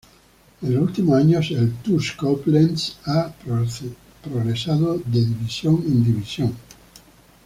En los últimos años el "TuS Koblenz" ha progresado de división en división.